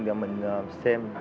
rồi mình xem